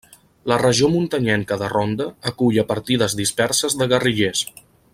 La regió muntanyenca de Ronda acull a partides disperses de guerrillers.